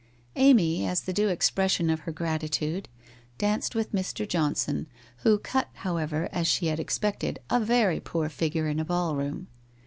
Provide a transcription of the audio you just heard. Amy, as the due expression of her gratitude, danced with Mr. Johnson, who cut, however, as she had expected, a very poor figure in a ballroom.